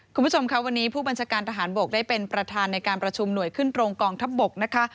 คุณผู้ชมค่ะวันนี้ผู้บัญชาการทหารบกได้เป็นประธานในการประชุมหน่วยขึ้นตรงกองทัพบกนะคะ